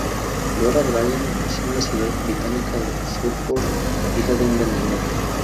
Dora Bryan nació en la ciudad británica de Southport, hija de un vendedor.